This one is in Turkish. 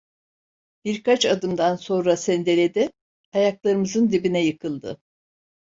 Birkaç adımdan sonra sendeledi, ayaklarımızın dibine yıkıldı.